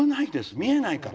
見えないから。